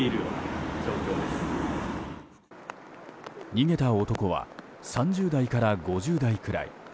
逃げた男は３０代から５０代くらい。